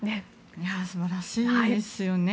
素晴らしいですよね。